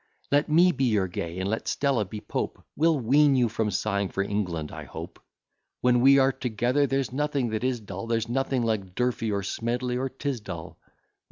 Let me be your Gay, and let Stella be Pope, We'll wean you from sighing for England I hope; When we are together there's nothing that is dull, There's nothing like Durfey, or Smedley, or Tisdall.